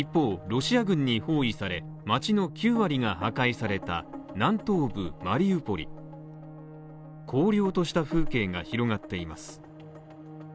ロシア軍に包囲され、町の９割が破壊された南東部マリウポリ荒涼とした風景が広がっています。